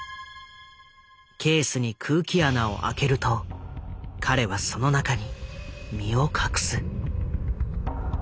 ケースに空気穴を開けると彼はその中に身を隠す。